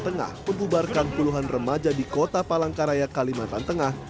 tengah membubarkan puluhan remaja di kota palangkaraya kalimantan tengah